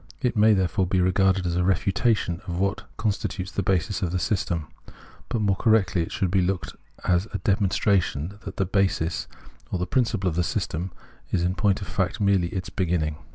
It may there fore be regarded as a refutation of what constitutes the basis of the system ; but more correctly it should be looked at as a demonstration that the basis or principle of the system is in point of fact merely its beginning.